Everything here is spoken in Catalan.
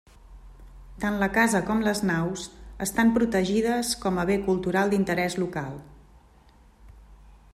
Tant la casa com les naus estan protegides com a bé cultural d'interès local.